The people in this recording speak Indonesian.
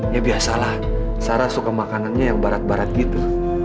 ya biasalah sarah suka makanannya yang barat barat gitu